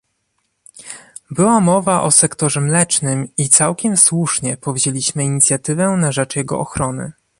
Była mowa o sektorze mlecznym i całkiem słusznie powzięliśmy inicjatywę na rzecz jego ochrony